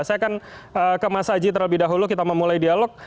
saya akan ke mas aji terlebih dahulu kita memulai dialog